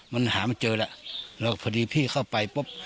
มันหามันเจอแล้วแล้วพอดีพี่เข้าไปปุ๊บ